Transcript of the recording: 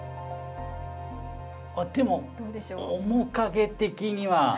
でも面影的には彼かな？